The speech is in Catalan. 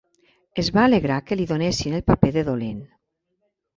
Es va alegrar que li donessin el paper de dolent.